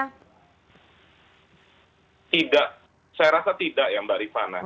saya rasa tidak ya mbak rifana